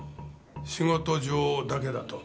仕事上だけだと？